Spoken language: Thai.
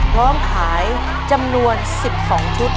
พร้อมขายจำนวน๑๒ชุด